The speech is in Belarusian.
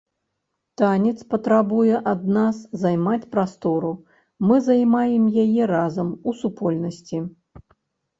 Танец патрабуе ад нас займаць прастору, мы займаем яе разам, у супольнасці.